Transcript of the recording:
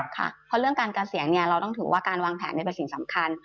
ค่ะเพราะเรื่องการเกษียณเราต้องถือว่าการวางแผนเป็นสิ่งสำคัญ